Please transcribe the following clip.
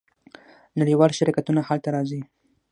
نړیوال شرکتونه هلته راځي.